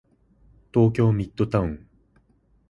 東京ミッドタウン